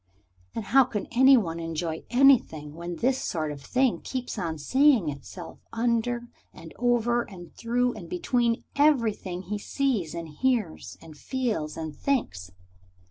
And how can any one enjoy anything when this sort of thing keeps on saying itself under and over and through and between everything he sees and hears and feels and thinks?